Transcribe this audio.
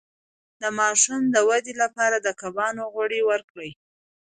د ماشوم د ودې لپاره د کبانو غوړي ورکړئ